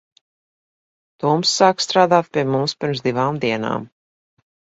Toms sāka strādāt pie mums pirms divām dienām.